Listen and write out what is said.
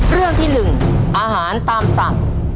เรื่องที่๑อาหารตามสั่ง